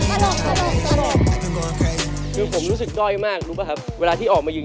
คุณทำสวนคุณเรียนกลับที่บ้าน